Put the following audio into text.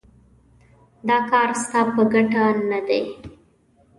دا کار ستا په ګټه نه دی.